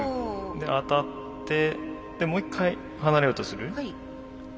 で当たってもう一回離れようとする。